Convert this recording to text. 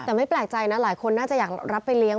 แต่ไม่แปลกใจนะหลายคนน่าจะอยากรับไปเลี้ยง